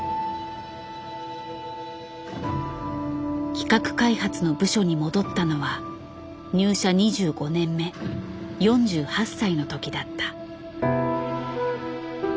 企画開発の部署に戻ったのは入社２５年目４８歳の時だった。